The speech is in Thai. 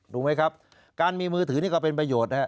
รู้ไหมครับการมีมือถือนี่ก็เป็นประโยชน์นะครับ